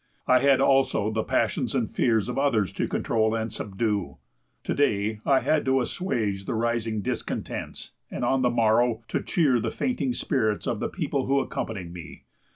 I had, also, the passions and fears of others to control and subdue. To day, I had to assuage the rising discontents, and on the morrow, to cheer the fainting spirits of the people who accompanied me.